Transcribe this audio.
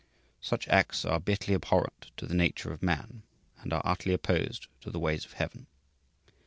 Such acts are bitterly abhorrent to the nature of man and are utterly opposed to the ways of heaven.